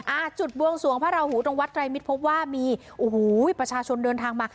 อ่าจุดบวงสวงพระราหูตรงวัดไตรมิตรพบว่ามีโอ้โหประชาชนเดินทางมา